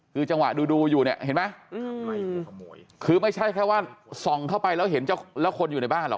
คือจังหวะดูดูอยู่เนี่ยเห็นไหมคือไม่ใช่แค่ว่าส่องเข้าไปแล้วเห็นเจ้าแล้วคนอยู่ในบ้านหรอก